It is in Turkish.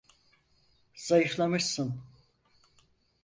Zayıflamışsın.